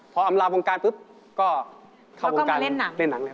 พออำลาวงการปุ๊บก็เข้าวงการเล่นหนังเลย